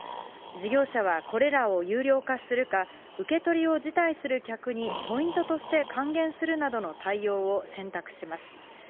事業者はこれらを有料化するか、受け取りを辞退する客にポイントとして還元するなどの対応を選択します。